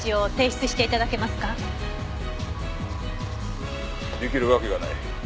出来るわけがない。